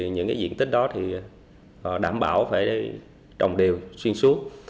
những cái diện tích đó thì đảm bảo phải trồng đều xuyên suốt